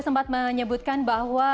sempat menyebutkan bahwa